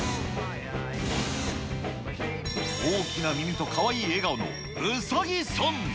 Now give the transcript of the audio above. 大きな耳とかわいい笑顔のうさぎさん。